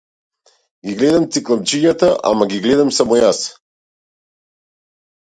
Ги гледам цикламчињата, ама ги гледам само јас.